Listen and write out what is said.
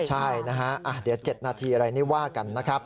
ใช่นะฮะเดี๋ยว๗นาทีอะไรนี่ว่ากันนะครับ